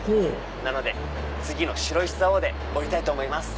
なので次の白石蔵王で降りたいと思います。